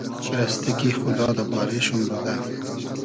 رئستی کی خودا دۂ بارې شوم بودۂ